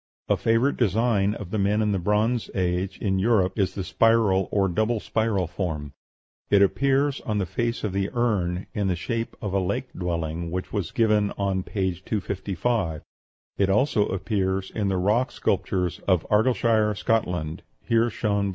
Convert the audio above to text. A favorite design of the men of the Bronze Age in Europe is the spiral or double spiral form. It appears on the face of the urn in the shape of a lake dwelling, which is given on p. 255; it also appears in the rock sculptures of Argyleshire, Scotland, here shown.